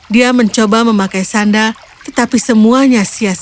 dia mencoba memakai sanda tetapi semuanya sia sia